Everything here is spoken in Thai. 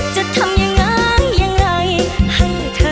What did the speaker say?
จะลั่นบ้านเอี๊ยะไปงานกับเธอ